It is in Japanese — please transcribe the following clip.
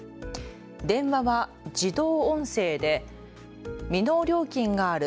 電話は自動音声で未納料金がある。